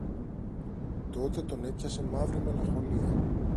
Τότε τον έπιασε μαύρη μελαγχολία.